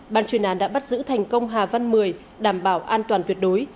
bàn chuyển án đã bắt giữ thành công hà văn một mươi đảm bảo an toàn tuyệt đối